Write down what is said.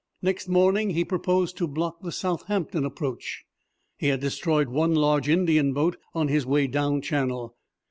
Next morning he proposed to block the Southampton approach. He had destroyed one large Indian boat on his way down Channel.